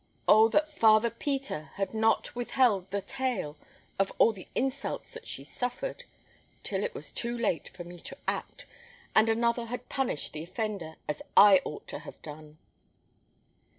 Oh, that Father Peter had not withheld the tale of all the insults that she suffered, till it was too late for me to act, and another had punished the offender as I ought to have done!"